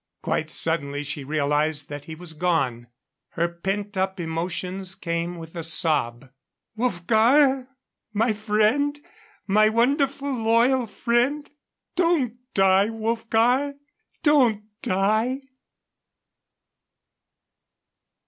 Quite suddenly she realized that he was gone. Her pent up emotion came with a sob. "Wolfgar! My friend my wonderful, loyal friend don't die, Wolfgar! Don't die!"